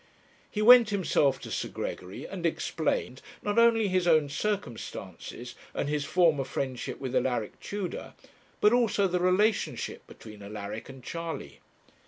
He went himself to Sir Gregory, and explained, not only his own circumstances, and his former friendship with Alaric Tudor, but also the relationship between Alaric and Charley.